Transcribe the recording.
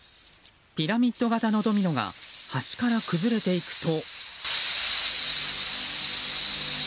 ビラミッド型のドミノが端から崩れていくと。